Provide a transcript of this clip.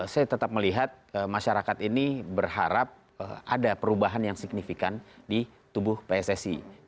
saya tetap melihat masyarakat ini berharap ada perubahan yang signifikan di tubuh pssi